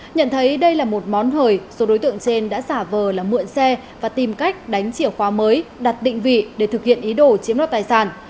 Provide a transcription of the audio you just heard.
nhận thấy đây là một món hời số đối tượng trên đã xả vờ là mượn xe và tìm cách đánh chìa khóa mới đặt định vị để thực hiện ý đồ chiếm đoạt tài sản